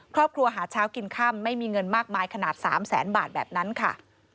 ครอบครัวหาเช้ากินค่ำไม่มีเงินมากมายขนาด๓แสนบาทแบบนั้นค่ะ